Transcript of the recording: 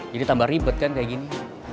jadi tambah ribet kan kayak gini